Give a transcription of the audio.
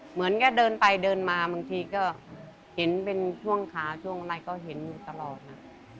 เหมือนก็เดินไปเดินมาบางทีก็เห็นเป็นช่วงขาช่วงอะไรก็เห็นอยู่ตลอดนะ